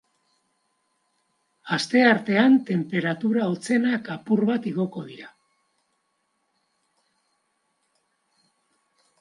Asteartean tenperatura hotzenak apur bat igoko dira.